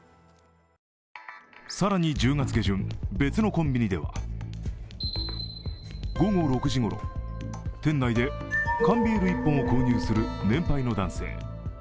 更に１０月下旬別のコンビニでは午後６時ごろ、店内で缶ビール１本を購入する年配の男性。